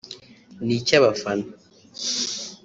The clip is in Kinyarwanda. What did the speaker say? ni icy’abafana